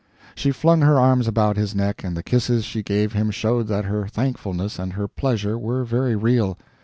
She flung her arms about his neck, and the kisses she gave him showed that her thankfulness and her pleasure were very real.